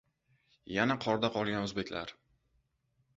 Yana qorda qolgan o‘zbeklar